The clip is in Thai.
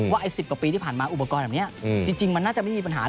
ไอ้๑๐กว่าปีที่ผ่านมาอุปกรณ์แบบนี้จริงมันน่าจะไม่มีปัญหา